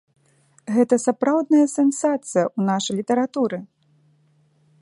Гэта сапраўдная сенсацыя ў нашай літаратуры.